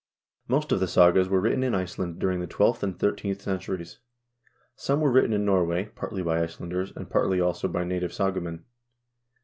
Most of the sagas were written in Iceland during the twelfth and thirteenth centuries. Some were written in Norway, partly by Icelanders, and partly, also, by native sagamen.